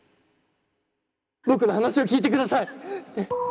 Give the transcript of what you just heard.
僕の話を聞いてくださいねぇ？